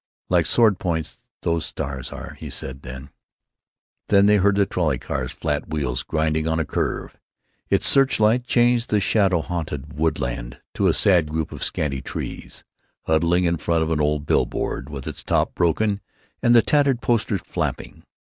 "Like sword points, those stars are," he said, then—— Then they heard the trolley car's flat wheels grinding on a curve. Its search light changed the shadow haunted woodland to a sad group of scanty trees, huddling in front of an old bill board, with its top broken and the tattered posters flapping.